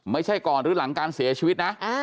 ไม่ใช่ก่อนหรือหลังการเสียชีวิตนะ